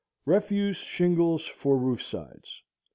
Refuse shingles for roof sides